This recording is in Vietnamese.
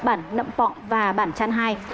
bản nậm pọng và bản trăn hai